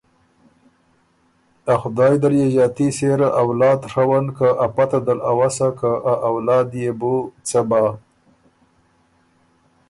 ا خدای دل يې ݫاتي سېره اولاد ڒوَن که ا پته دل اؤسا که ا اولاد يې بو څۀ بَۀ؟